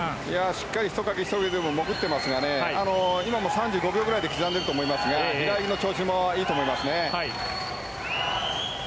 しっかりひとかきで潜ってますが今も３５秒ぐらいで刻んでいると思いますが平泳ぎの調子もいいと思います。